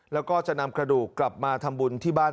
แล้วก็จะนำกระดูกกลับมาทำบุญที่บ้าน